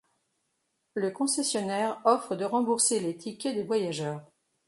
Le concessionnaire offre de rembourser les tickets des voyageurs.